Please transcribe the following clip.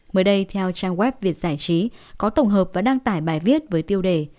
mới đây theo trang web việt giải trí có tổng hợp và đăng tải bài viết với tiêu đề